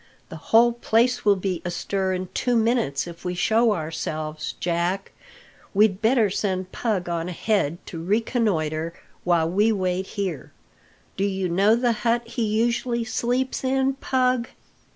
"The whole place will be astir in two minutes if we show ourselves, Jack. We'd better send Pug on ahead to reconnoitre while we wait here. Do you know the hut he usually sleeps in, Pug?"